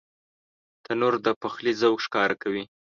تنور د پخلي ذوق ښکاره کوي